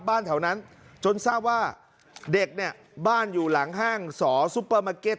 แถวนั้นจนทราบว่าเด็กเนี่ยบ้านอยู่หลังห้างสอซุปเปอร์มาร์เก็ต